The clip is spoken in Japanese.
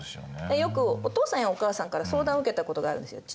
よくお父さんやお母さんから相談を受けたことがあるんですよ。